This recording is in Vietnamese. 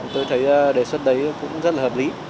tôi thấy đề xuất đấy cũng rất là hợp lý